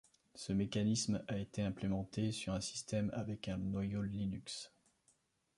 Ce mécanisme a été implémenté sur un système avec un noyau Linux.